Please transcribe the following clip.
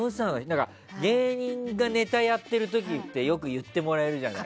芸人がネタやっている時ってよく言ってもらえるじゃない。